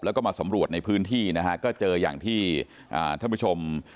แล้วก็มาสำรวจในพื้นที่นะฮะก็เจออย่างที่ท่านผู้ชม